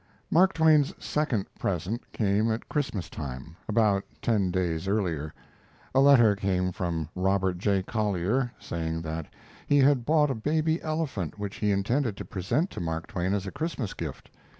Mark Twain's second present came at Christmas time. About ten days earlier, a letter came from Robert J. Collier, saying that he had bought a baby elephant which he intended to present to Mark Twain as a Christmas gift.